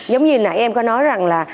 giống như nãy em có nói rằng là